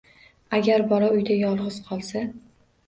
Agar bola uyda yolg'iz qolsa.